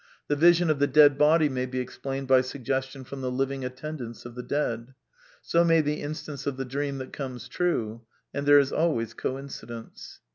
The vision of the dead body may be explained by suggestion from the living attendants of the dead. So may the instance of the dream that comes true. And there is always coincidence.